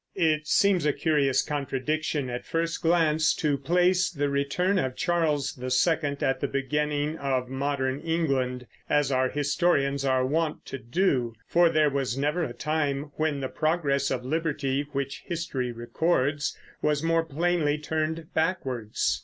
It seems a curious contradiction, at first glance, to place the return of Charles II at the beginning of modern England, as our historians are wont to do; for there was never a time when the progress of liberty, which history records, was more plainly turned backwards.